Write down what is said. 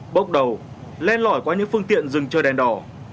bốc đầu len lỏi qua những phương tiện rừng chờ đèn đỏ